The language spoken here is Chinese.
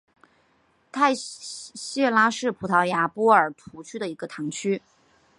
泰谢拉是葡萄牙波尔图区的一个堂区。